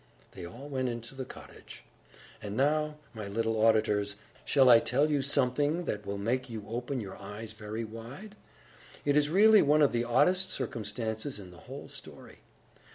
They all went into the cottage. And, now, my little auditors, shall I tell you something that will make you open your eyes very wide? It is really one of the oddest circumstances in the who|e story.